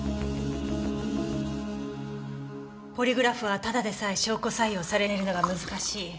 ポリグラフはただでさえ証拠採用されるのが難しい。